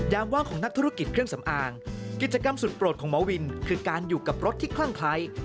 ว่างของนักธุรกิจเครื่องสำอางกิจกรรมสุดโปรดของหมอวินคือการอยู่กับรถที่คลั่งคล้าย